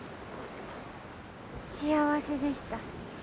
幸せでした。